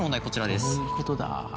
こちらです。